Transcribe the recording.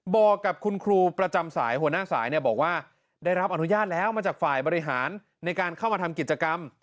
บอกกับคุณครูประจำสายหัวหน้าสายบอกว่าได้รับอนุญาตแล้วมาจากฝ่ายบริหารในการเข้ามาทำกิจกรรม